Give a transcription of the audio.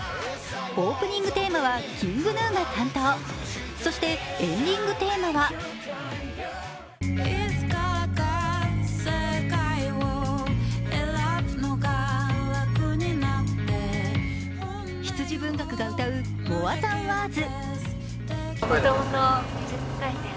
オープニングテーマはＫｉｎｇＧｎｕが担当そしてエンディングテーマは羊文学が歌う「ｍｏｒｅｔｈａｎｗｏｒｄｓ」。